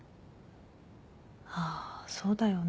ああそうだよな。